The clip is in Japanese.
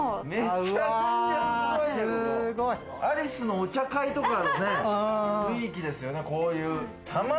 アリスのお茶会とかの雰囲気ですよね、こういうの。